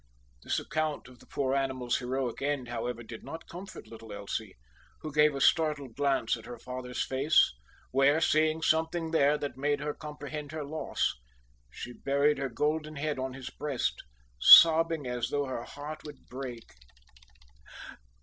This account of the poor animal's heroic end, however, did not comfort little Elsie, who gave a startled glance at her father's face; where, seeing something there that made her comprehend her loss, she buried her golden head on his breast, sobbing as though her heart would break.